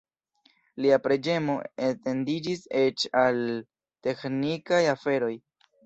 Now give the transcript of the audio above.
Lia preĝemo etendiĝis eĉ al teĥnikaj aferoj.